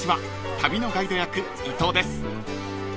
旅のガイド役伊藤です］